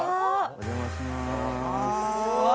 お邪魔します。